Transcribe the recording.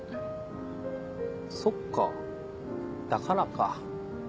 そっかだからか。